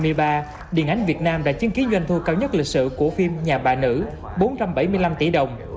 từ đầu năm hai nghìn hai mươi ba điện ảnh việt nam đã chứng kiến doanh thu cao nhất lịch sử của phim nhà bà nữ bốn trăm bảy mươi năm tỷ đồng